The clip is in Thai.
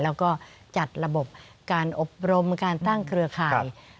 แล้วก็จัดระบบการอบรมการตั้งเครือข่าย